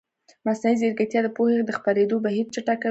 مصنوعي ځیرکتیا د پوهې د خپرېدو بهیر چټکوي.